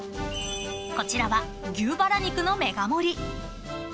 ［こちらは牛バラ肉のＭＥＧＡ盛り］